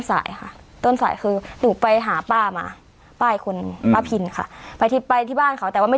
สายค่ะต้นสายคือหนูไปหาป้ามาป้าอีกคนนึงป้าพินค่ะไปที่บ้านเขาแต่ว่าไม่